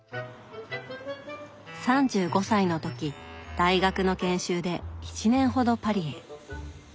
３５歳の時大学の研修で１年ほどパリへ。